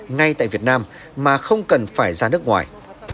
ngay tại việt nam mà không cần phải ra nước ngoài